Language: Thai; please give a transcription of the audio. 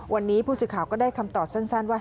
วันนี้ผู้สื่อข่าวก็ได้คำตอบสั้นว่า